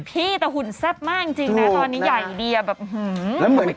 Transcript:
พี่แต่หุ่นแซ่บมากจริงนะตอนนี้ใหญ่เดียแบบหือ